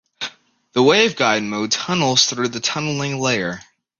The waveguide mode tunnels through the tunneling layer.